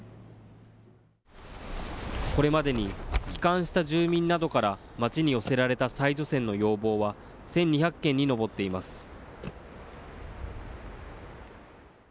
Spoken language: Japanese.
これまでに帰還した住民などから、町に寄せられた再除染の要望は１２００件に上っています。